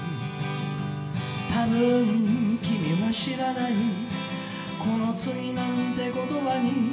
「多分君は知らない「この次」なんて言葉に」